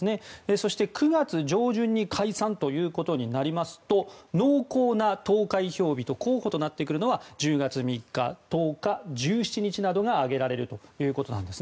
そして９月上旬に解散となりますと濃厚な投開票日の候補となってくるのは１０月３日、１０日１７日などが挙げられるということです。